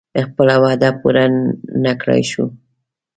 خپله وعده پوره نه کړای شوه.